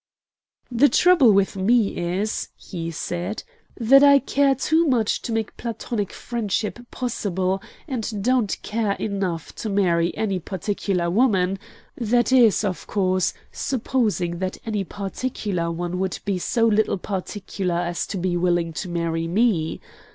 "The trouble with me is," he said, "that I care too much to make Platonic friendship possible, and don't care enough to marry any particular woman that is, of course, supposing that any particular one would be so little particular as to be willing to marry me.